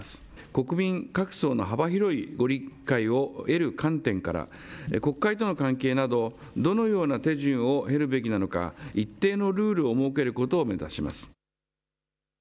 国民各層の幅広いご理解を得る観点から国会との関係などどのような手順を経るべきなのか一定のルールを設けることを目指します。